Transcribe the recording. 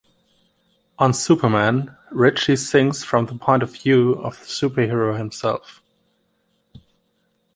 On "Superman", Richie sings from the point of view of the superhero himself.